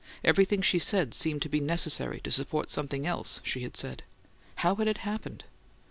Everything she said seemed to be necessary to support something else she had said. How had it happened?